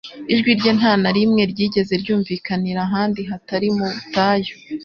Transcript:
Ijwi rye nta na rimwe ryigeze ryumvikanira ahandi hatari mu butayu.